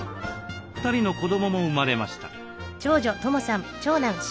２人の子どもも生まれました。